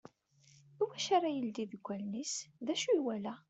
I wacu ara ileddi deg wallen-is? D ucu i yewala?